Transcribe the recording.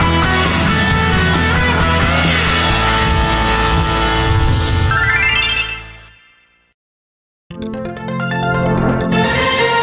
เวลาที่๑๘สัมพันธ์